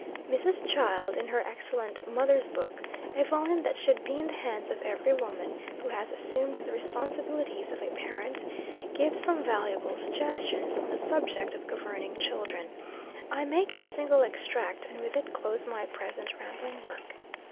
Mrs. Child, in her excellent "Mother's Book," a volume that should be in the hands of every woman who has assumed the responsibilities of a parent, gives some valuable suggestions on the subject of governing children. I make a single extract and with it close my present rambling work.